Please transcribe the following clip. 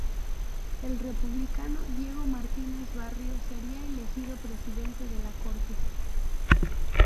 El republicano Diego Martínez Barrio sería elegido presidente de la Cortes.